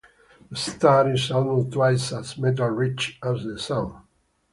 The star is almost twice as metal-rich as the Sun.